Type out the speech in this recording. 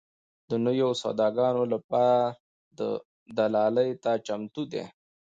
د نویو سوداګانو لپاره دلالۍ ته چمتو دي.